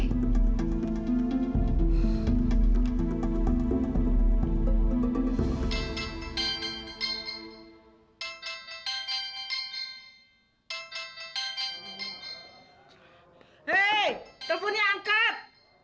hei teleponnya angkat